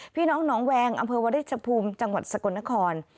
พี่น้องหนองแวงอำเภอวริชภูมิจังหวัดสกลนคร